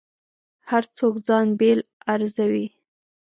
هر څوک ځان بېل ارزوي.